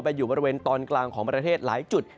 อยู่บริเวณตอนกลางของประเทศหลายจุด